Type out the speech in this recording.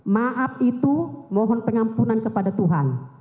maaf itu mohon pengampunan kepada tuhan